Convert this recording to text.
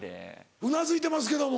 うなずいてますけども。